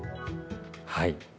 はい。